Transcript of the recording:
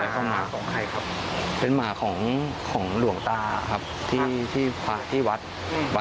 เป็นหมาของใครครับเป็นหมาของหลวงตาครับที่วัดเหมือนนี้ครับ